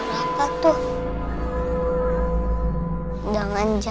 kok gak ada